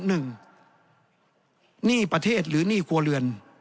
หนี้ประเทศหรือหนี้ครัวเรือน